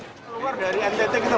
karena disana antara